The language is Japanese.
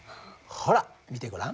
ほら見てごらん。